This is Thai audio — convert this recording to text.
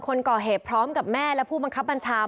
คนก่อเหตุพร้อมกับแม่และผู้บังคับบัญชา